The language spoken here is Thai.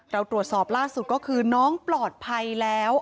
เราตรวจสอบล่าสุดก็คือน้องปลอดภัยแล้ว